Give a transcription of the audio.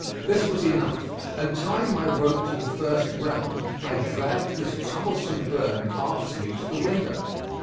This was enough, and tying my rope to the first round I dragged this troublesome burden after me to the window.